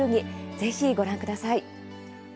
ぜひ、ご覧ください。